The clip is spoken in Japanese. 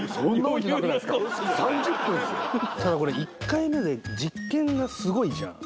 ただこれ１回目で実験がすごいじゃん。